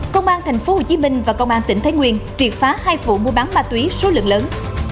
công an tp hcm và công an tỉnh thái nguyên triệt phá hai vụ mua bán ma túy số lượng lớn